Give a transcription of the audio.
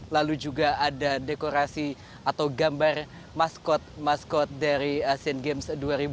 lalu juga ada dekorasi atau gambar maskot maskot dari asian games dua ribu delapan belas